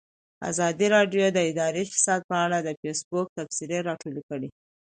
ازادي راډیو د اداري فساد په اړه د فیسبوک تبصرې راټولې کړي.